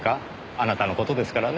あなたの事ですからねぇ。